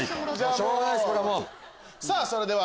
しょうがないです